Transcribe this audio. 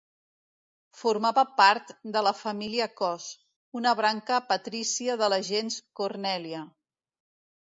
Formava part de la família Cos, una branca patrícia de la gens Cornèlia.